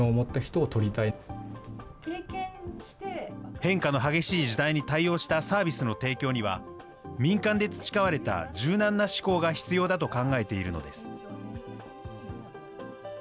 変化の激しい時代に対応したサービスの提供には、民間で培われた柔軟な思考が必要だと考えているのです。